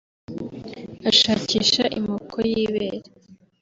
ashakisha imoko y’ibere